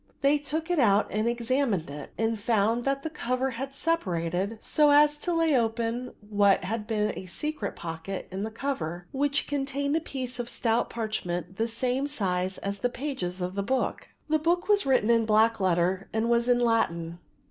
They took it out and examined it and found that the cover had separated so as to lay open what had been a secret pocket in the cover, which contained a piece of stout parchment the same size as the pages of the book. The book was written in black letter and was in Latin.